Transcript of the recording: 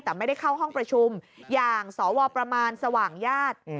แต่ไม่ได้เข้าห้องประชุมอย่างสวประมาณสว่างญาติ